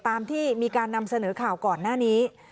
ตามที่มีการนำเสนอข่าวก่อนหน้านี้